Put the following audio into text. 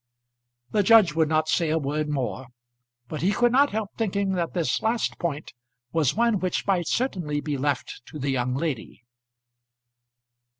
The judge would not say a word more, but he could not help thinking that this last point was one which might certainly be left to the young lady.